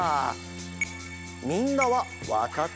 みんなはわかったかな？